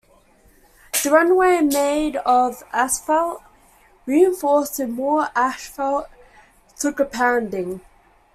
The runway, made of asphalt reinforced with more asphalt, took a pounding.